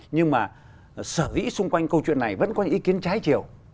nhưng mà sở dĩ xung quanh câu chuyện này vẫn có những ý kiến trái chiều